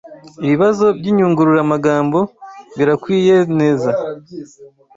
Ibibazo by’inyunguramagambo birakwiyeneza